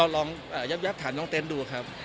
ลองยับถามน้องเต็นต์ดูครับ